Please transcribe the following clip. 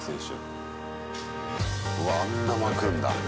うわっ、あんな巻くんだ。